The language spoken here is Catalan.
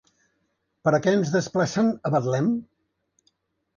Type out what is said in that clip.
Per a què es desplacen a Betlem?